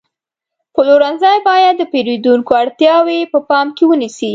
پلورنځی باید د پیرودونکو اړتیاوې په پام کې ونیسي.